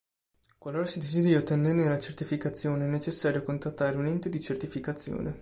Qualora si desideri ottenerne la certificazione, è necessario contattare un ente di certificazione.